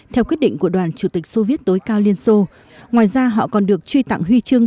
theo quyết định của đoàn chủ tịch soviet tối cao liên xô ngoài ra họ còn được truy tặng huy chương